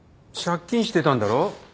借金してたんだろ？